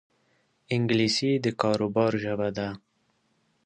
انګلیسي د کاروبار ژبه ده